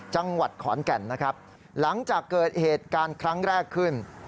จังหวัดขอนแก่นนะครับหลังจากเกิดเหตุการณ์ครั้งแรกขึ้น